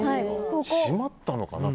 締まったのかな？